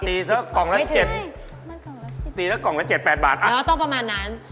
ตีเท่ากล่องละ๗ตีเท่ากล่องละ๗๘บาทอะแล้วต้องประมาณนั้น